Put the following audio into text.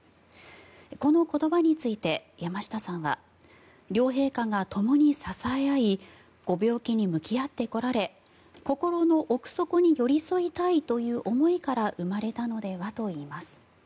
この言葉について山下さんは両陛下がともに支え合いご病気に向き合ってこられ心の奥底に寄り添いたいという思いから生まれたのではといいます。